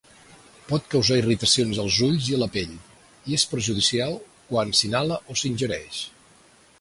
Pot causar irritacions als ulls i la pell, i és perjudicial quan s'inhala o s'ingereix.